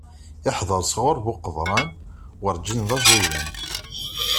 Iḥder sɣuṛ bu qeḍran, werǧin d aẓidan.